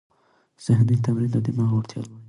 ذهني تمرین د دماغ وړتیا لوړوي.